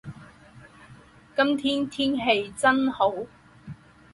今天天气真好。